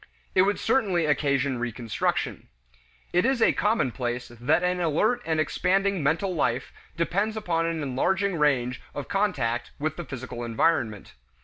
It would certainly occasion reconstruction. It is a commonplace that an alert and expanding mental life depends upon an enlarging range of contact with the physical environment.